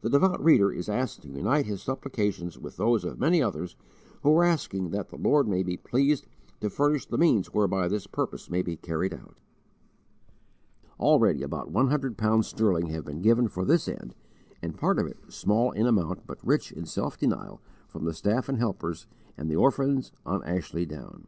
The devout reader is asked to unite his supplications with those of many others who are asking that the Lord may be pleased to furnish the means whereby this purpose may be carried out. Already about one hundred pounds sterling have been given for this end, and part of it, small in amount but rich in self denial, from the staff of helpers and the orphans on Ashley Down.